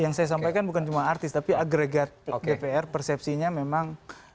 yang saya sampaikan bukan cuma artis tapi agregat dpr persepsinya memang